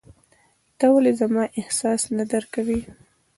ته ولي زما احساس نه درکوې !